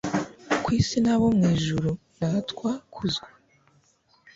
ku isi n'abo mu ijuru, ratwa kuzwa